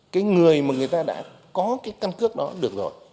cái người mà người ta đã có cái căn cước đó được rồi